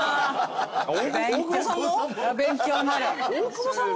大久保さんも？